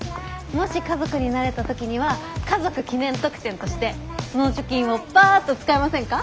もし家族になれた時には家族記念特典としてその貯金をパァッと使いませんか？